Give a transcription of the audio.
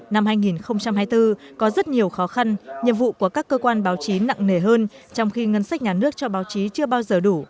năm hai nghìn hai mươi bốn có rất nhiều khó khăn nhiệm vụ của các cơ quan báo chí nặng nề hơn trong khi ngân sách nhà nước cho báo chí chưa bao giờ đủ